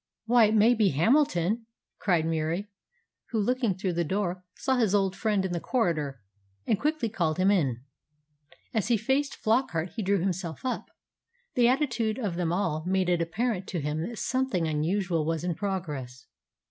"Why, it may be Hamilton!" cried Murie; who, looking through the door, saw his old friend in the corridor, and quickly called him in. As he faced Flockart he drew himself up. The attitude of them all made it apparent to him that something unusual was in progress.